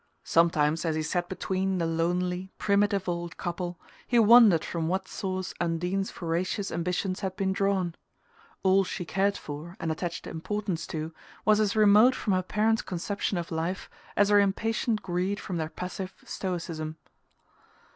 Sometimes, as he sat between the lonely primitive old couple, he wondered from what source Undine's voracious ambitions had been drawn: all she cared for, and attached importance to, was as remote from her parents' conception of life as her impatient greed from their passive stoicism.